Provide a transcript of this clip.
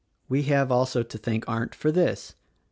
I have also to thank Arndt for this.